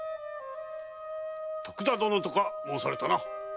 徳田殿とか申されたな？